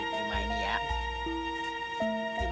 dapat mengikuti ini